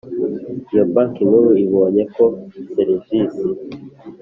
Iyo Banki Nkuru ibonye ko serivisi